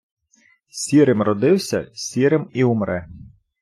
Сірим родився, сірим і умре.